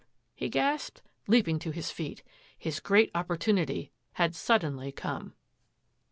*' he gasped, leaping to his f His great opportunity had suddenly come.